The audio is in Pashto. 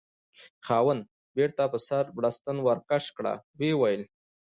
خاوند: بیرته په سر بړستن ورکش کړه، ویې ویل: